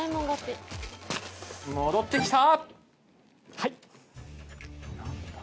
戻ってきた。